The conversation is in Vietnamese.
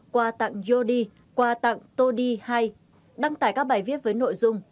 qua tặng yodi qua tặng todi hai đăng tải các bài viết với nội dung